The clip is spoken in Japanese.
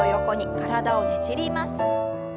体をねじります。